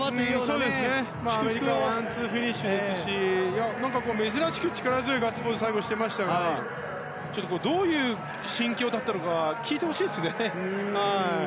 アメリカがワンツーフィニッシュですし珍しく力強いガッツポーズを最後してましたからどういう心境だったのか聞いてほしいですね。